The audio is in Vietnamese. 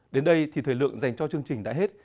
đến đây thì thời lượng dành cho chương trình đã hết